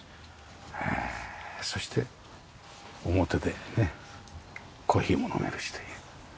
そして表でねコーヒーも飲めるしという。